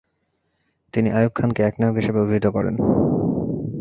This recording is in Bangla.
তিনি আইয়ুব খানকে একনায়ক হিসেবে অবিহিত করেন।